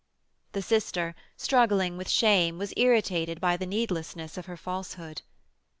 The sister, struggling with shame, was irritated by the needlessness of her falsehood.